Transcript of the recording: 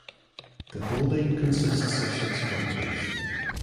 The holding consists of six companies.